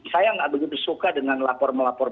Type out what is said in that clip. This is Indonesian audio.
saya nggak begitu suka dengan lapor melapor